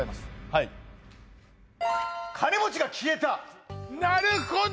はい「金持ちが消えた」